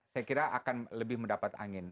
saya kira akan lebih mendapat angin